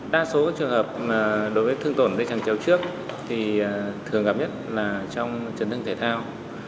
đa số trường hợp đối với thương tổn dây trăng chéo trước thì thường gặp nhất là trong trấn thương thể thao